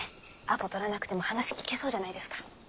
アポ取らなくても話聞けそうじゃないですか。